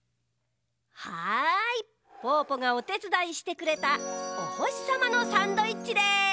はいぽぅぽがおてつだいしてくれたおほしさまのサンドイッチです。